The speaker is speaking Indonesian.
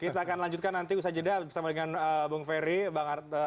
kita akan lanjutkan nanti usaha jeda bersama dengan bung ferry bang abdul manan dan bung ferry